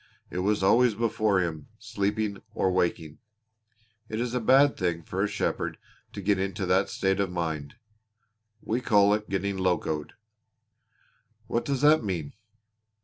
It was always before him, sleeping or waking. It is a bad thing for a shepherd to get into that state of mind. We call it getting locoed." "What does that mean?"